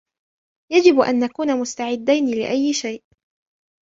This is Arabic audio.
يجب ان نكون مستعدين لأي شيء